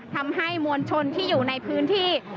ทำให้มวลชนที่อยู่ในพื้นที่